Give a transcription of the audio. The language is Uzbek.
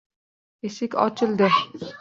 Eshik ochildi.